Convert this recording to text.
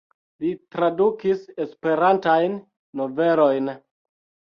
Li tradukis Esperantajn novelojn.